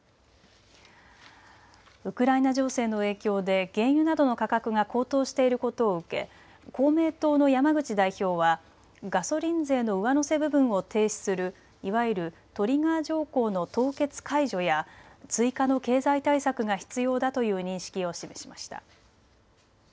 ウクライナ情勢の影響で原油などの価格が高騰していることを受け、公明党の山口代表はガソリン税の上乗せ部分を停止するいわゆるトリガー条項の凍結解除や追加の経済対策が必要だという認識を示しました。